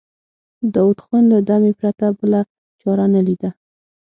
داوود خان له دمې پرته بله چاره نه ليده.